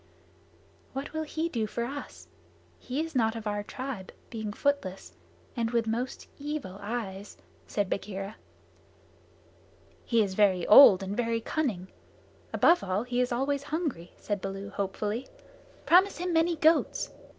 "What will he do for us? He is not of our tribe, being footless and with most evil eyes," said Bagheera. "He is very old and very cunning. Above all, he is always hungry," said Baloo hopefully. "Promise him many goats."